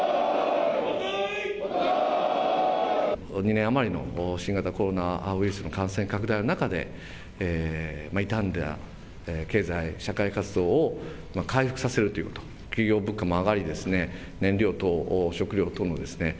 ２年余りの新型コロナウイルスの感染拡大の中でいたんだ経済社会活動を回復させるということ、企業物価も上がりですね、燃料等食料等もですね。